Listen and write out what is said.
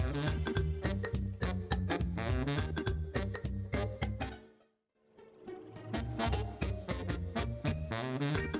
gak ada yang lewat lagi